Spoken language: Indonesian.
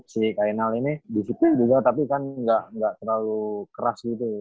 si kainal ini disiplin juga tapi kan gak terlalu keras gitu